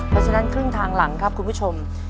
เพราะฉะนั้นครึ่งทางหลังครับคุณผู้ชม